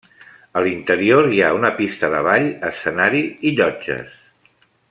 A l'interior, hi ha una pista de ball, escenari i llotges.